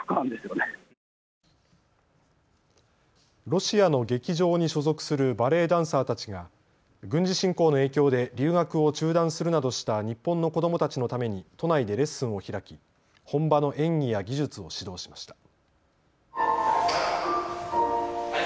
ロシアの劇場に所属するバレエダンサーたちが軍事侵攻の影響で留学を中断するなどした日本の子どもたちのために都内でレッスンを開き本場の演技や技術を指導しました。